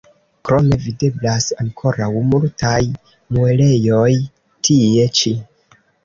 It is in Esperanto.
Krome videblas ankoraŭ multaj muelejoj tie ĉi.